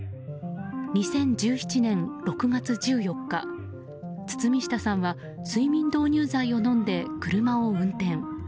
２０１７年６月１４日堤下さんは睡眠導入剤を飲んで車を運転。